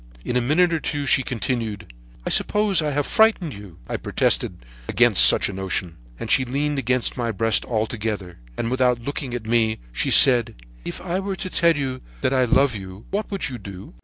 In a minute or two she continued: "'I suppose I have frightened you?' I protested against such a notion, and she leaned against my breast altogether, and without looking at me, she said: 'If I were to tell you that I love you, what would you do?'